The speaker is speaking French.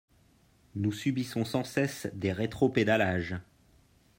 Nous subissons sans cesse des rétropédalages.